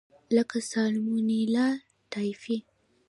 لکه سالمونیلا ټایفي.